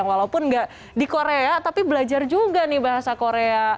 walaupun nggak di korea tapi belajar juga nih bahasa korea